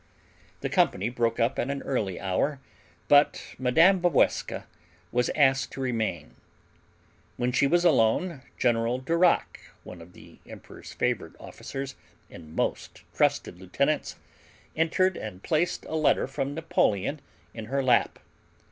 The company broke up at an early hour, but Mme. Walewska was asked to remain. When she was alone General Duroc one of the emperor's favorite officers and most trusted lieutenants entered and placed a letter from Napoleon in her lap.